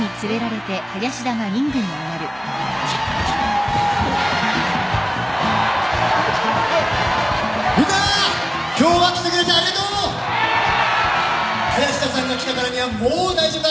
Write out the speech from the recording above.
林田さんが来たからにはもう大丈夫だ！